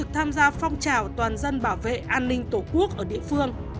tham gia phong trào toàn dân bảo vệ an ninh tổ quốc ở địa phương